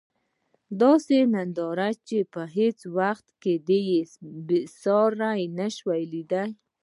داسې ننداره چې په هیڅ وخت کې یې ساری نشو لېدلی.